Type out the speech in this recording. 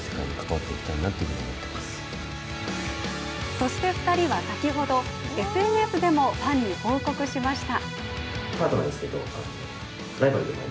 そして２人は先ほどＳＮＳでもファンに報告しました。